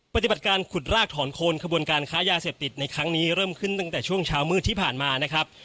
ปฏิบัติการขุดรากถอนโคนขบวนการค้ายาเสพติดในครั้งนี้เริ่มขึ้นตั้งแต่ช่วงเช้ามืดที่ผ่านมานะครับ